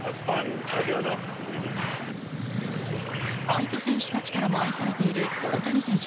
相手選手たちからも愛されている大谷選手。